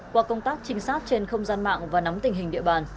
qua công tác trinh sát trên không gian mạng và nắm tình hình địa bàn